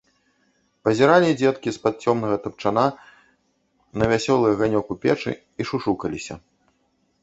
Пазіралі дзеткі з-пад цёмнага тапчана на вясёлы аганёк у печы і шушукаліся.